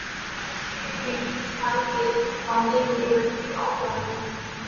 She received her PhD from the University of London.